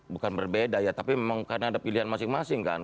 bukan berbeda ya tapi memang karena ada pilihan masing masing kan